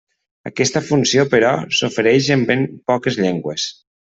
Aquesta funció, però, s'ofereix en ben poques llengües.